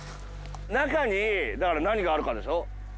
中にだから何があるかでしょ？